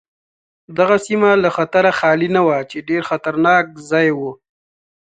دغه سیمه له خطره خالي نه وه چې ډېر خطرناک ځای و.